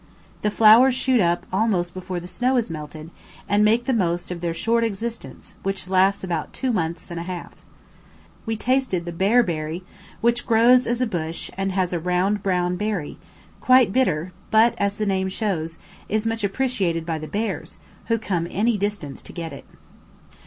The flowers shoot up almost before the snow has melted, and make the most of their short existence which lasts about two months and a half. We tasted the "bear berry," which grows as a bush and has a round brown berry, quite bitter, but, as its name shows, is much appreciated by the bears, who come any distance to get it.